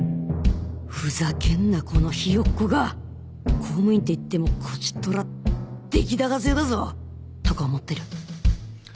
「ふざけんなこのひよっこが！」「公務員っていってもこちとら出来高制だぞ！」とか思ってる